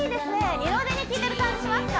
二の腕にきいてる感じしますか？